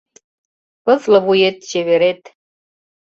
Пызле вует чеверет -